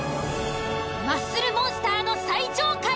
マッスルモンスターの最上階。